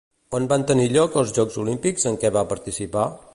On van tenir lloc els Jocs Olímpics en què va participar?